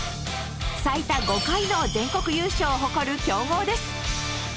最多５回の全国優勝を誇る強豪です。